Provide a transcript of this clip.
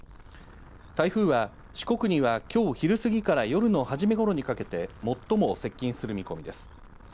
台風は、四国には、きょう昼過ぎから夜の初めごろにかけて最も接近する見込みです。